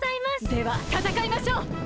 ではたたかいましょう！